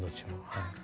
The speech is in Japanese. はい。